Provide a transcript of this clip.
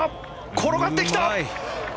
転がってきた！